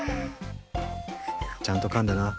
ちゃんとかんでな。